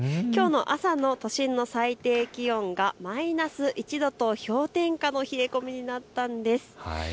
きょうの朝の都心の最低気温がマイナス１度と氷点下の冷え込みになったんです。